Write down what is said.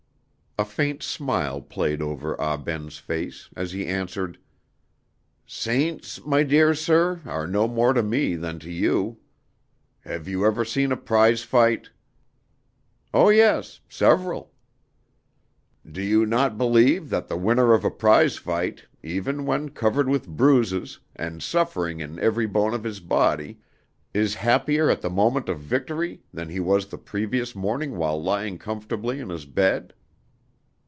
A faint smile played over Ah Ben's face as he answered: "Saints, my dear sir, are no more to me than to you. Have you ever seen a prize fight?" "Oh, yes; several." "Do you not believe that the winner of a prize fight, even when covered with bruises, and suffering in every bone of his body, is happier at the moment of victory than he was the previous morning while lying comfortably in his bed?"